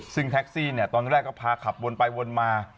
ซึ่งแท็กซี่เนี่ยตอนแรกก็พาขับวนไปวนมา